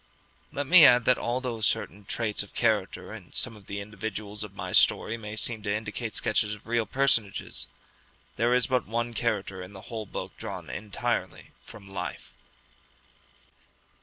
Let me add that although certain traits of character in some of the individuals of my story may seem to indicate sketches of real personages, there is but one character in the whole book drawn entirely from life.